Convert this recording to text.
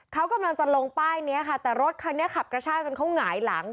เขากำลังจะลงป้ายนี้ค่ะแต่รถคันนี้ขับกระชากจนเขาหงายหลัง